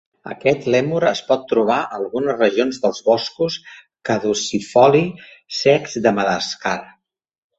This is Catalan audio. Aquest lèmur es pot trobar a algunes regions dels boscos caducifoli secs de Madagascar.